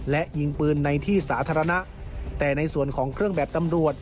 และยิงปืนในที่สาธารณะแต่ในส่วนของเครื่องแบบตำรวจ